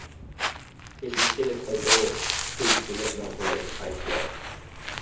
He succeeded Alboin, to whom he was not related by blood.